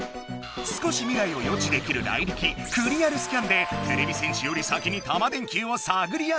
少し未来を予知できるライリキ「クリアルスキャン」でてれび戦士より先にタマ電Ｑをさぐり当てた。